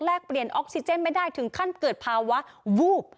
เปลี่ยนออกซิเจนไม่ได้ถึงขั้นเกิดภาวะวูบ